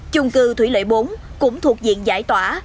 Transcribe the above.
chung cư thủy lợi bốn cũng thuộc diện giải tỏa